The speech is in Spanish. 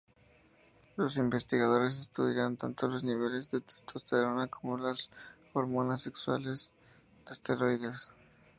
Los investigadores estudiaron tanto los niveles de testosterona como las hormonas sexuales esteroides.